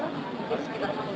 mungkin sekitar pukul satu